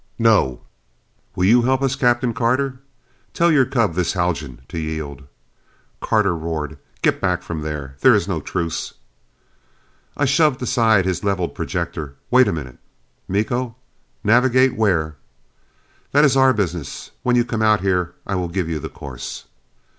"No." "Will you help us, Captain Carter? Tell your cub, this Haljan, to yield." Carter roared, "Get back from there. There is no truce!" I shoved aside his leveled projector. "Wait a minute, Miko. Navigate where?" "That is our business. When you come out here, I will give you the course."